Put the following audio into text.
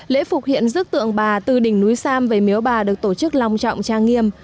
lễ phục hiện rước tượng bà từ đỉnh núi sam về miếu bà được tổ chức lòng trọng trang nghiêm